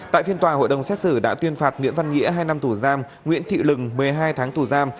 tại phiên tòa hội đồng xét xử đã tuyên phạt nguyễn văn nghĩa hai năm tù giam nguyễn thị lừng một mươi hai tháng tù giam